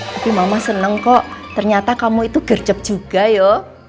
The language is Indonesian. tapi mama seneng kok ternyata kamu itu gercep juga ya